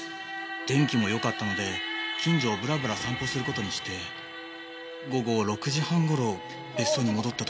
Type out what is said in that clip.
天気も良かったので近所をブラブラ散歩する事にして午後６時半頃別荘に戻った時には。